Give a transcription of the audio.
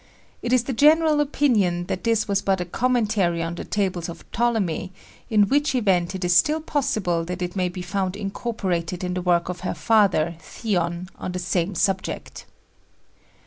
It is the general opinion that this was but a commentary on the tables of Ptolemy, in which event it is still possible that it may be found incorporated in the work of her father, Theon, on the same subject.